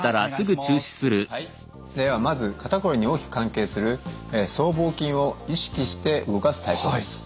ではまず肩こりに大きく関係する僧帽筋を意識して動かす体操です。